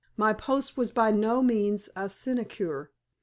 My post was by no means a sinecure.